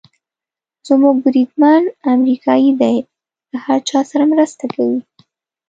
زموږ بریدمن امریکایي دی، له هر چا سره مرسته کوي.